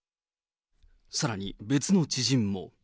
さらに、別の知人も。